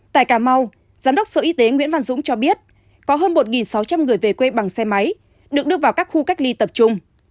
tại cà mau giám đốc sở y tế nguyễn văn dũng cho biết có hơn một sáu trăm linh người về quê bằng xe máy được đưa vào các khu cách ly tập trung